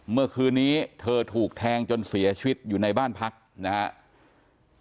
เมื่อคืนนี้เธอถูกแทงจนเสียชีวิตอยู่ในบ้านพักนะครับ